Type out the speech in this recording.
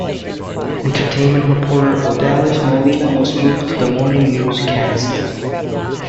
Entertainment reporter Odalys Molina was moved to the morning newscast.